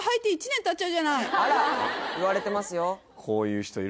言われてますよ